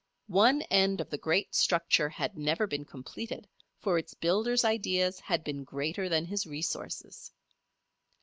One end of the great structure had never been completed; for its builder's ideas had been greater than his resources.